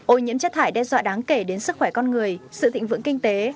ôi nhiễm chất thải đe dọa đáng kể đến sức khỏe con người sự thịnh vững kinh tế